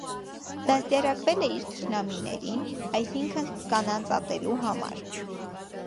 Դաստիարակավել է իր թշնամիներին, այսինքն կանանց ատելու համար։